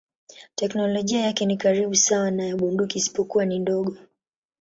Teknolojia yake ni karibu sawa na ya bunduki isipokuwa ni ndogo.